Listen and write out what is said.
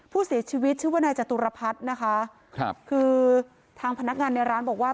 ผู้เสียชีวิตชื่อว่านายจตุรพัฒน์นะคะครับคือทางพนักงานในร้านบอกว่า